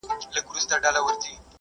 خره چی دا خبری واورېدې حیران سو `